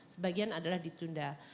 sebagian adalah ditunda